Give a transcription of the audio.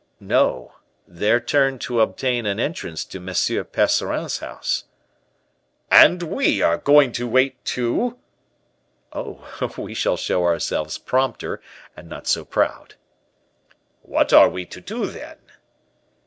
"No; their turn to obtain an entrance to M. Percerin's house." "And we are going to wait too?" "Oh, we shall show ourselves prompter and not so proud." "What are we to do, then?"